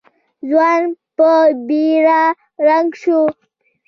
ځوان په بېړه رنګ شو.